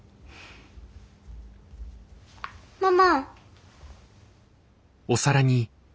ママ。